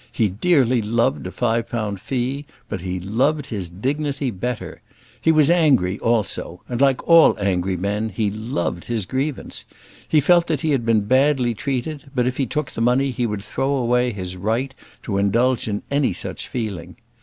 He dearly loved a five pound fee; but he loved his dignity better. He was angry also; and like all angry men, he loved his grievance. He felt that he had been badly treated; but if he took the money he would throw away his right to indulge in any such feeling.